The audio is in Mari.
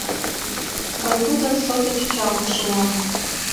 Мый тудын сото чӱчалтыш улам.